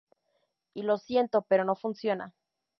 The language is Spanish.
Y lo siento, pero no funciona.